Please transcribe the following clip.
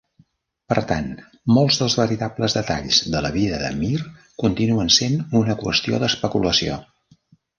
Per tant, molts dels "veritables detalls" de la vida de Mir continuen sent una qüestió d'especulació.